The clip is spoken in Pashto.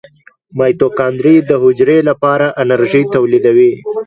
مایتوکاندري د حجرې لپاره انرژي تولیدوي